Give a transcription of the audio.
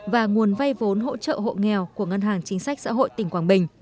và nguồn vay vốn hỗ trợ hộ nghèo của ngân hàng chính sách xã hội tỉnh quảng bình